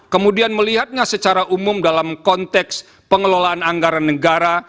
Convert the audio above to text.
kemudian melihatnya secara umum dalam konteks pengelolaan anggaran negara